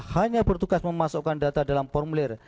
hanya bertugas memasukkan data dalam formulir